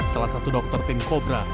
salah satu dokter tim kobra